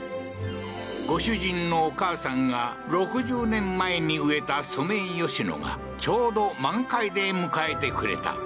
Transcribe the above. ご主人のお母さんが６０年前に植えたソメイヨシノが、ちょうど満開で迎えてくれた。